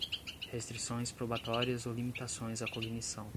restrições probatórias ou limitações à cognição